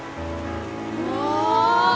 うわ！